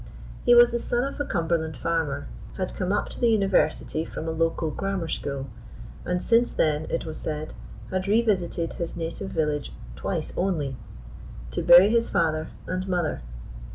He was the son of a Cumberland farmer; had come up to the University from a local grammar school; and since then (it was said) had revisited his native village twice only to bury his father and mother.